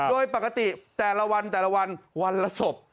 โดยปกติแต่ละวันวันละสบ